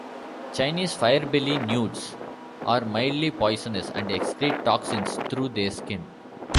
Chinese fire belly newts are mildly poisonous and excrete toxins through their skin.